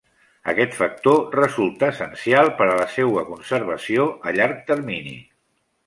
Aquest factor resulta essencial per a la seua conservació a llarg termini.